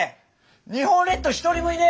日本列島１人もいねぇわ。